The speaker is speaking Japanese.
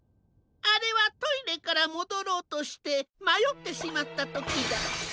あれはトイレからもどろうとしてまよってしまったときだ。